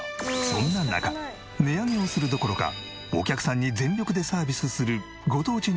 そんな中値上げをするどころかお客さんに全力でサービスするご当地